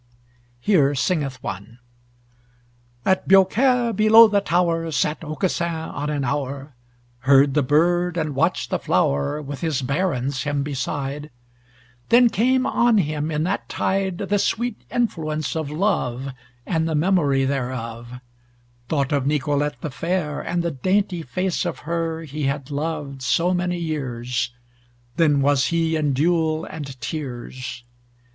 Here singeth one: At Biaucaire below the tower Sat Aucassin, on an hour, Heard the bird, and watched the flower, With his barons him beside, Then came on him in that tide, The sweet influence of love And the memory thereof; Thought of Nicolete the fair, And the dainty face of her He had loved so many years, Then was he in dule and tears!